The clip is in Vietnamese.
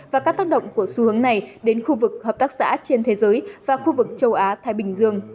và các tác động của xu hướng này đến khu vực hợp tác xã trên thế giới và khu vực châu á thái bình dương